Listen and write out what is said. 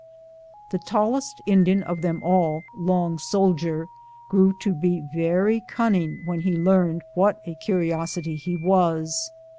The tallest Indian of them all, Long Soldier, grew to be very cunning when he learned what a curiosity he was.